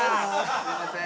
すいません。